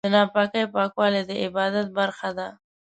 د ناپاکۍ پاکوالی د عبادت برخه ده.